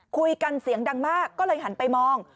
คุยกันเสียงดังมากก็เลยหันไปมอง